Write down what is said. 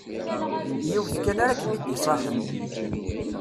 Yiwet kan ara kem-id-iṣaḥen.